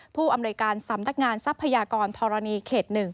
ผู้อำนวยการสำนักงานทรัพยากรธรณีเขต๑